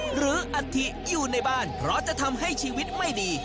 อัฐิอยู่ในบ้านเพราะจะทำให้ชีวิตไม่ดี